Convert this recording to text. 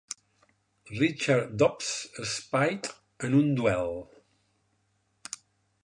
Richard Dobbs Spaight en un duel.